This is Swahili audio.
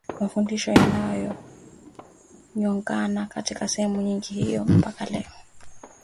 mafundisho yanayogongana katika sehemu nyingine hivyo mpaka leo